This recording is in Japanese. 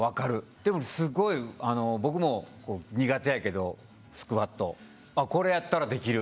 でもすごい僕も苦手やけどスクワットこれやったらできる。